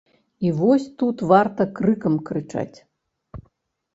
І вось тут варта крыкам крычаць.